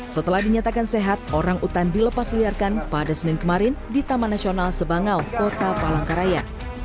setelah dinyatakan sehat orangutan dilepas liarkan pada senin kemarin di taman nasional sebangau kota palangkaraya